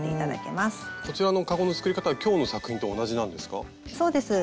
こちらのかごの作り方は今日の作品と同じなんですか？